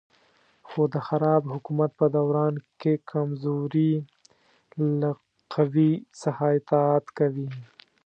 خو د خراب حکومت په دوران کې کمزوري له قوي څخه اطاعت کوي.